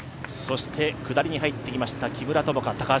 下りに入ってきました木村友香。